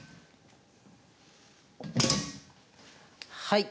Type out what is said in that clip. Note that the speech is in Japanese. はい。